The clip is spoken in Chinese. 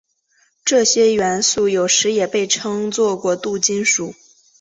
这些元素有时也被称作过渡金属。